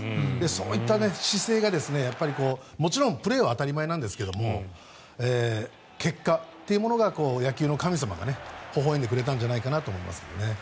そういった姿勢がもちろんプレーは当たり前なんですが結果というものが野球の神様がほほ笑んでくれたんじゃないかと思います。